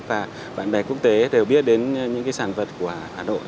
và bạn bè quốc tế đều biết đến những cái sản phẩm của hà nội